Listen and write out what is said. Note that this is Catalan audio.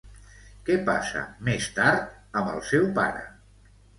Què passa, més tard, amb el seu pare?